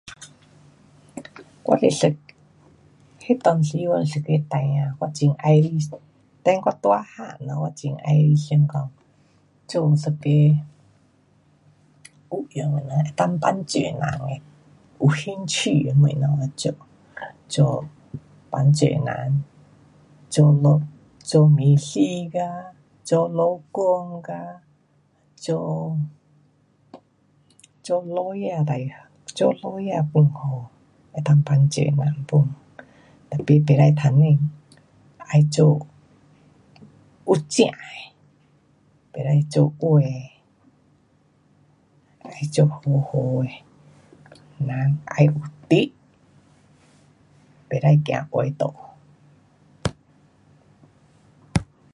我是一，那阵时我是一个孩儿，很喜欢等我大个了我很喜欢想讲做一个有用的人，能够帮助人的，有兴趣的东西来做。[um]做帮助人，做么，做护士嘎, 做医生嘎，做lawyer最[um],做lawyer pun好能够帮助人pun。tapi不可贪心。要做有正的，不可做歪的，要做好好的，人要有直，不可走歪路。